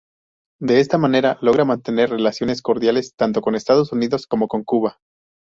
De esta manera logra mantener relaciones cordiales tanto con Estados Unidos como con Cuba.